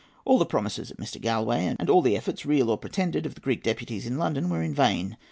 All the promises of Mr. Galloway and all the efforts, real or pretended, of the Greek deputies in London, were vain.